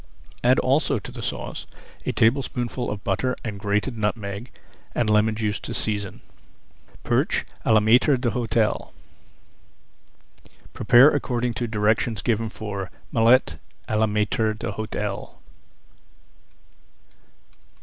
Add also to the sauce a tablespoonful of butter and grated nutmeg and lemon juice to season. PERCH À LA MAÎTRE D'HÔTEL Prepare according to directions given for Mullet à la Maître d'Hôtel.